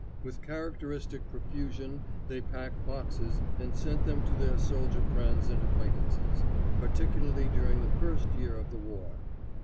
With characteristic profusion they packed boxes and sent them to their soldier friends and acquaintances, particularly during the first year of the war.